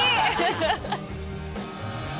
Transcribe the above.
ハハハハ。